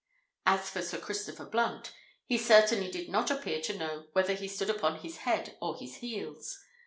As for Sir Christopher Blunt—he certainly did not appear to know whether he stood upon his head or his heels.